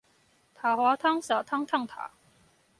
塔滑湯灑湯燙塔